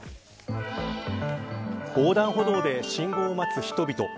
横断歩道で信号を持つ人々。